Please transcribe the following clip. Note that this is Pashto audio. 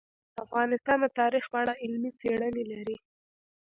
افغانستان د تاریخ په اړه علمي څېړنې لري.